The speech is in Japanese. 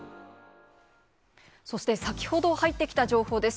そして、先ほど入ってきた情報です。